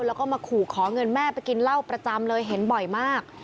แล้วก็มาขู่ขอเงินแม่ไปกินเหล้าประจำเลยเห็นบ่อยมาก